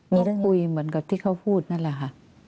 มันคุยเหมือนกับที่เขาบอก